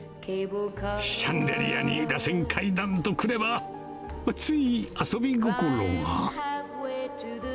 シャンデリアにらせん階段とくれば、つい、遊び心が。